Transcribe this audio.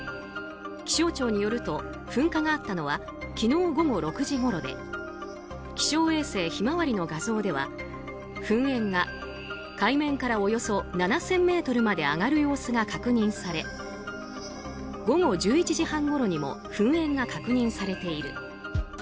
気象庁によると噴火があったのは昨日午後６時ごろで気象衛星「ひまわり」の画像では噴煙が海面からおよそ７０００ｍまで上がる様子が確認され午後１１時半ごろにも噴煙が確認されている。